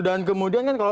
dan kemudian kan